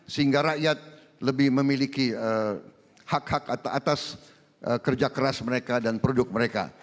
sehingga rakyat lebih memiliki hak hak atas kerja keras mereka dan produk mereka